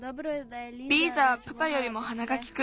リーザはプパよりもはながきく。